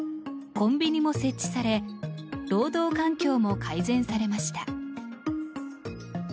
コンビニも設置され労働環境も改善されました。